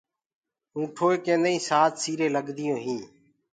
اونٺوئي ڪيندآئين سآت سيرين لگديون هين